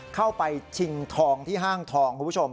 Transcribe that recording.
เข้าไปชิงทองที่ห้างทองคุณผู้ชม